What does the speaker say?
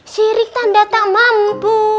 sirik tanda tak mampu